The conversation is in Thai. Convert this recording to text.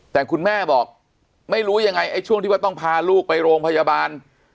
แต่คุณแม่บอกไม่รู้ยังไงไอ้ช่วงที่ว่าต้องพาลูกไปโรงพยาบาล